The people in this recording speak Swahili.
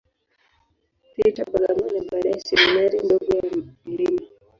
Peter, Bagamoyo, na baadaye Seminari ndogo ya Mt.